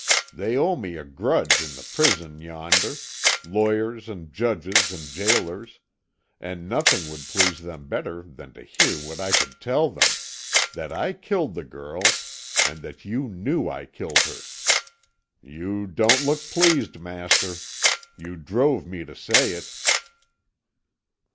They owe me a grudge in the prison yonder lawyers and judges and gaolers and nothing would please them better than to hear what I could tell them that I killed the girl, and that you knew I killed her. You don't look pleased, master. You drove me to say it."